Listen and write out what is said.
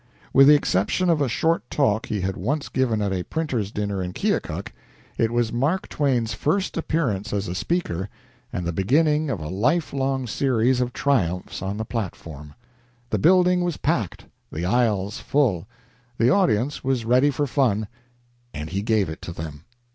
With the exception of a short talk he had once given at a printer's dinner in Keokuk, it was Mark Twain's first appearance as a speaker, and the beginning of a lifelong series of triumphs on the platform. The building was packed the aisles full. The audience was ready for fun, and he gave it to them.